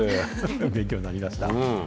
勉強になりました。